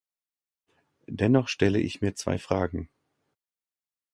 Dennoch stelle ich mir zwei Fragen.